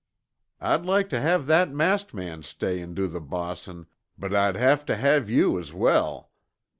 I'd like tuh have that masked man stay an' do the bossin', but I'd have to have you as well.